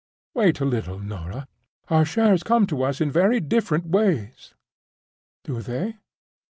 "Wait a little, Norah. Our shares come to us in very different ways." "Do they?